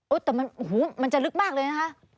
แต่มันโอ้โหมันจะลึกมากเลยนะคะ